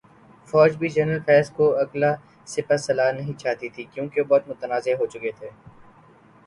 فوج بھی جنرل فیض کو اگلا سپاسالار نہیں چاہتی تھی، کیونکہ وہ بہت متنازع ہوچکے تھے۔۔